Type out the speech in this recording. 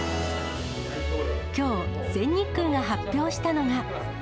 きょう、全日空が発表したのが。